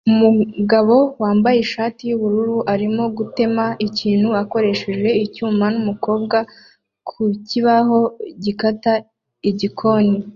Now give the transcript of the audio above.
Umugabo wambaye ishati yubururu arimo gutema ikintu akoresheje icyuma numukobwa ku kibaho gikata igikoni